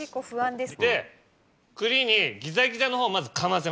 で栗にギザギザのほうまずかませます。